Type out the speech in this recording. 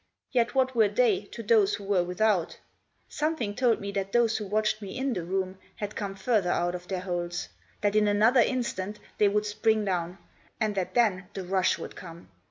Yet what were they to those who were without ? Something told me that those who watched me in the room had come further out of their holes ! that in another instant they would spring down ; and that then the rush would come.